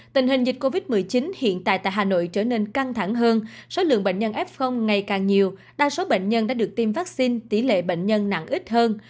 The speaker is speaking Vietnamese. tình hình dịch covid một mươi chín hiện tại tại hà nội trở nên căng thẳng hơn số lượng bệnh nhân f ngày càng nhiều đa số bệnh nhân đã được tiêm vaccine tỷ lệ bệnh nhân nặng ít hơn